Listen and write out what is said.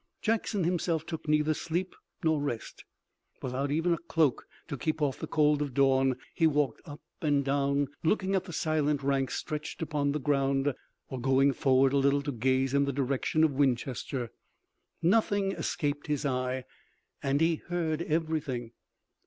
Jackson himself took neither sleep nor rest. Without even a cloak to keep off the cold of dawn, he walked up and down, looking at the silent ranks stretched upon the ground, or going forward a little to gaze in the direction of Winchester. Nothing escaped his eye, and he heard everything.